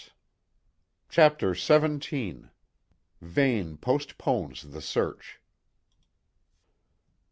CHAPTER XVII VANE POSTPONES THE SEARCH.